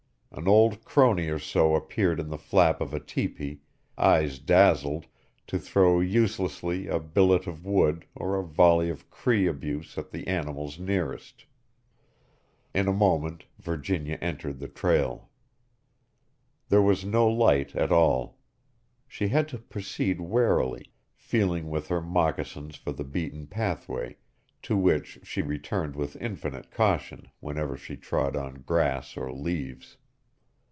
An old crone or so appeared in the flap of a teepee, eyes dazzled, to throw uselessly a billet of wood or a volley of Cree abuse at the animals nearest. In a moment Virginia entered the trail. Here was no light at all. She had to proceed warily, feeling with her moccasins for the beaten pathway, to which she returned with infinite caution whenever she trod on grass or leaves.